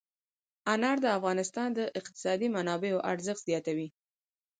انار د افغانستان د اقتصادي منابعو ارزښت زیاتوي.